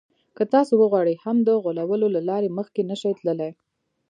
که تاسې وغواړئ هم د غولولو له لارې مخکې نه شئ تللای.